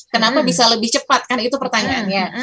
kenapa bisa lebih cepat kan itu pertanyaannya